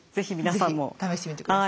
是非試してみてください。